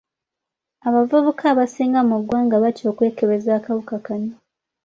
Abavubuka abasinga mu ggwanga batya okwekebeza akawuka kano.